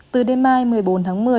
từ đêm mai một mươi bốn tháng một mươi